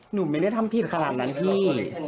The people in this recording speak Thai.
หนูไม่ได้ทำผิดขนาดนั้นพี่